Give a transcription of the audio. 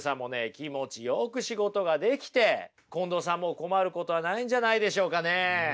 気持ちよく仕事ができて近藤さんも困ることはないんじゃないでしょうかね。